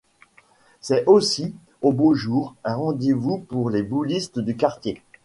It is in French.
C'est aussi, aux beaux jours, un rendez-vous pour les boulistes du quartier.